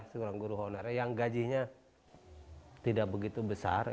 seorang guru honorer yang gajinya tidak begitu besar